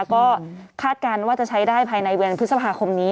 ก็คาดการณ์ว่าจะใช้ได้ภายในเดือนพฤษภาคมนี้